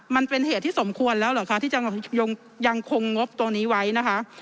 มันเป็นเหตุที่สมควรแล้วเหรอคะที่จะยังคงงบตัวนี้ไว้นะคะ